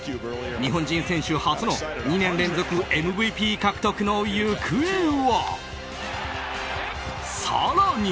日本人選手初の２年連続ＭＶＰ獲得の行方は？更に。